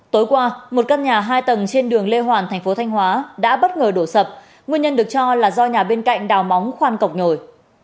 tối qua một căn nhà hai tầng trên đường lê hoàn thành phố thanh hóa đã bất ngờ đổ sập nguyên nhân được cho là do nhà bên cạnh đào móng khoan cọc nhồi